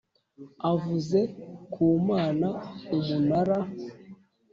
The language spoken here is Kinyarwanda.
avuze ku Mana Umunara